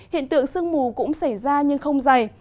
hiện tượng sương mù cũng xảy ra nhưng không dày